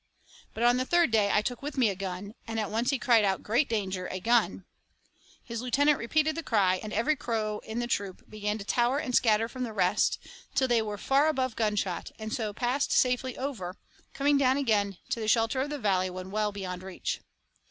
But on the third day I took with me a gun, and at once he cried out, 'Great danger a gun.' His lieutenant repeated the cry, and every crow in the troop began to tower and scatter from the rest, till they were far above gun shot, and so passed safely over, coming down again to the shelter of the valley when well beyond reach.